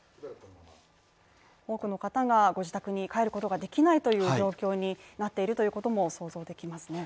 多くの方が御自宅に帰ることができないという状況になっているということも想像できますね。